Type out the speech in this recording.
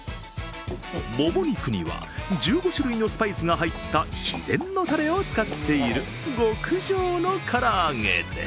もも肉には１５種類のスパイスが入った秘伝のたれを使っている極上のから揚げです。